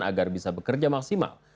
agar bisa bekerja maksimal